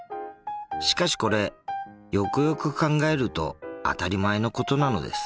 しかしこれよくよく考えると当たり前のことなのです。